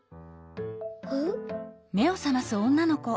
「うん？」。